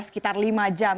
sekitar lima jam